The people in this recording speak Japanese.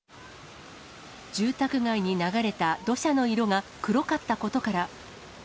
住宅街に流れた土砂の色が黒かったことから。